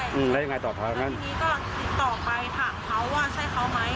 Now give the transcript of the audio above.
เมื่อกี้ก็ติดต่อไปถามเค้าว่าใช่เค้าไหม